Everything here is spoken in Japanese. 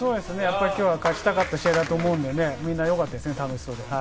今日は勝ちたかった試合だと思うので、みんな楽しそうでよかったですね。